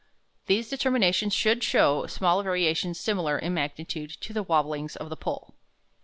These determinations should show small variations similar in magnitude to the wabblings of the pole.